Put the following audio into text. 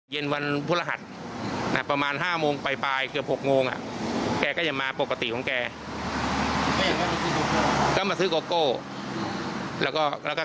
เป็นประธานเต้นที่เขาหากัน